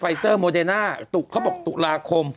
ไฟเซอร์โมเดน่าเขาบอกตุ๊กลาคม